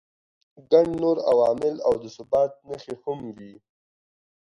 ګڼ نور عوامل او د ثبات نښې هم وي.